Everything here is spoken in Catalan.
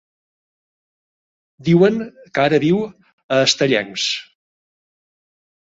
Diuen que ara viu a Estellencs.